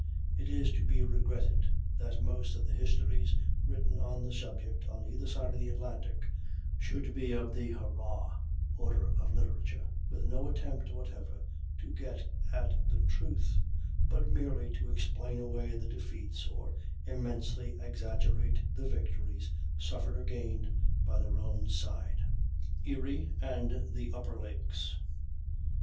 It is to be regretted that most of the histories written on the subject, on either side of the Atlantic, should be of the "hurrah" order of literature, with no attempt whatever to get at the truth, but merely to explain away the defeats or immensely exaggerate the victories suffered or gained by their own side. Erie and the Upper Lakes.